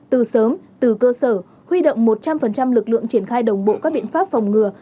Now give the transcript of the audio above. từ sớm từ cơ sở huy động một trăm linh lực lượng triển khai đồng bộ các biện pháp phòng ngừa